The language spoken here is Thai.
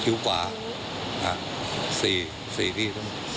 ติ้วกวา๔ที่